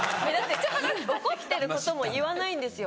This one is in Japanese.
怒ってることも言わないんですよ。